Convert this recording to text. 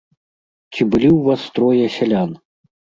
Ці былі ў вас трое сялян?